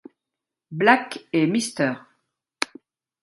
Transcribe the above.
Black et Mr.